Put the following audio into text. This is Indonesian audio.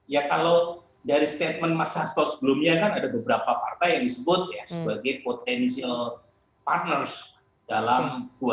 ya kalau dari statement mas asto sebelumnya kan ada beberapa partai yang disebut sebagai potential partners dalam dua ribu dua puluh empat